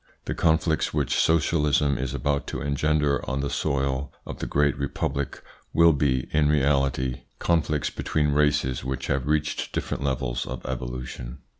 The conflicts which socialism is about to engender on the soil of the great Republic will be, in reality, conflicts 12 162 THE PSYCHOLOGY OF PEOPLES: between races which have reached different levels of evolution.